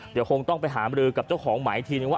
เดี๋ยวคงต้องไปหามรือกับเจ้าของหมายอีกทีนึงว่า